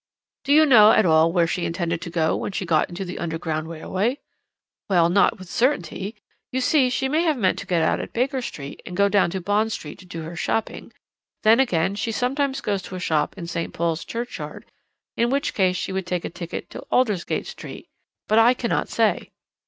"'Do you know at all where she intended to go when she got into the Underground Railway?' "'Well, not with certainty. You see, she may have meant to get out at Baker Street, and go down to Bond Street to do her shopping. Then, again, she sometimes goes to a shop in St. Paul's Churchyard, in which case she would take a ticket to Aldersgate Street; but I cannot say.'